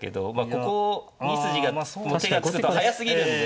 ここ２筋が手がつくと早すぎるんで。